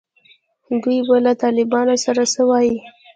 دوی به له طالبانو سره څه وایي.